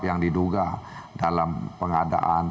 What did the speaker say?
yang diduga dalam pengadaan